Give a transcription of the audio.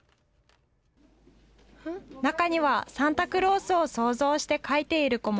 中にはサンタクロースを想像して書いている子も。